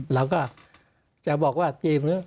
เราก็จะบอกว่าจีบ